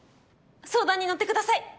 相談に乗ってください！